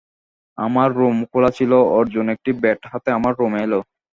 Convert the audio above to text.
আমার রুম খোলা ছিল, অর্জুন একটি ব্যাট হাতে আমার রুমে এল।